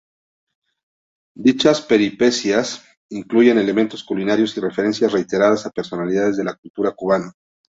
Dichas peripecias incluyen elementos culinarios y referencias reiteradas a personalidades de la cultura cubana.